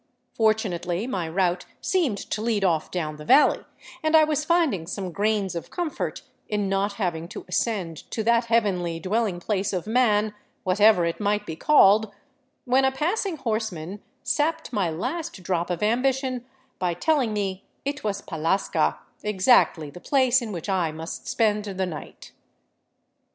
Fortunately my route seemed to lead off down the valley, and I was finding some grains of comfort in not having to ascend to that heavenly dwelling place of man, whatever it might be called, when a passing horseman sapped my last drop of ambition by telling me it was Pallasca — exactly the place in which I must spend the night!